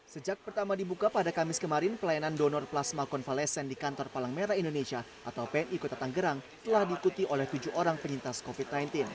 sejak pertama dibuka pada kamis kemarin pelayanan donor plasma konvalesen di kantor palang merah indonesia atau pni kota tanggerang telah diikuti oleh tujuh orang penyintas covid sembilan belas